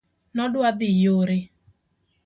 nodwadhi yore